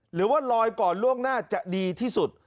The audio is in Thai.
หรือว่าลอยก่อนล่วงหน้าจะดีที่สุด